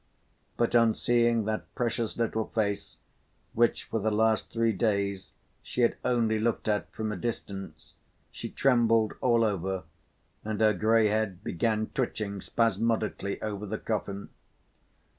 But on seeing that precious little face, which for the last three days she had only looked at from a distance, she trembled all over and her gray head began twitching spasmodically over the coffin.